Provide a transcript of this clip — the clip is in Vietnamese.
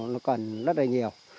nó cần rất là nhiều